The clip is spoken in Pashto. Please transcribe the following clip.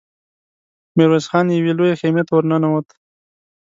ميرويس خان يوې لويې خيمې ته ور ننوت.